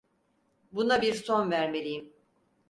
Buna bir son vermeliyim.